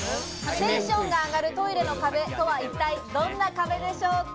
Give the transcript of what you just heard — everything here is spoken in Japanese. テンションが上がるトイレの壁とは、一体どんな壁でしょうか？